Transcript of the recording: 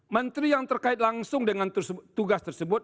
menteri yang terkait langsung dengan tugas tersebut